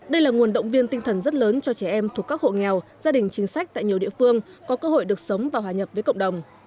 đây là nguồn động viên tinh thần rất lớn cho trẻ em thuộc các hộ nghèo gia đình chính sách tại nhiều địa phương có cơ hội được sống và hòa nhập với cộng đồng